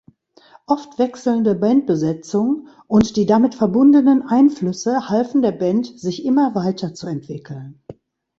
Oft wechselnde Bandbesetzung und die damit verbundenen Einflüsse halfen der Band, sich immer weiterzuentwickeln.